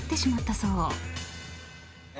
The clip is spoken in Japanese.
そう！